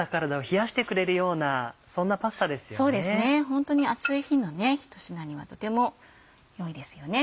ホントに暑い日の一品にはとても良いですよね。